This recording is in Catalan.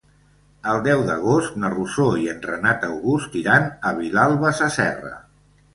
El deu d'agost na Rosó i en Renat August iran a Vilalba Sasserra.